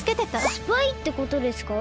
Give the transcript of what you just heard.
スパイってことですか？